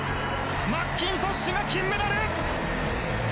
マッキントッシュ、金メダル！